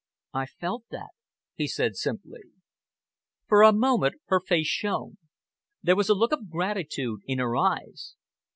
"I felt that," he said simply. For a moment her face shone. There was a look of gratitude in her eyes.